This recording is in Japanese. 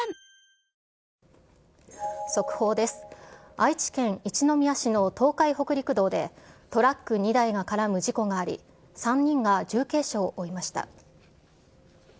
愛知県一宮市の東海北陸道で、トラック２台が絡む事故があり、３人が重軽傷を負いました。